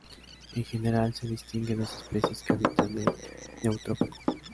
En general se distingue dos especies que habitan el neotrópico.